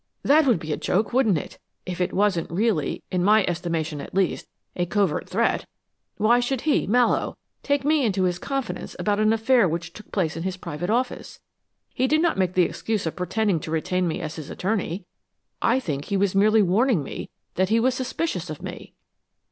That would be a joke, wouldn't it, if it wasn't really, in my estimation at least, a covert threat. Why should he, Mallowe, take me into his confidence about an affair which took place in his private office? He did not make the excuse of pretending to retain me as his attorney. I think he was merely warning me that he was suspicious of me."